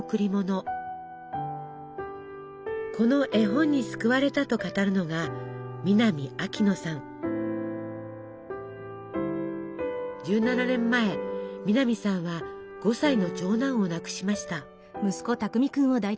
この絵本に救われたと語るのが１７年前南さんは５歳の長男を亡くしました。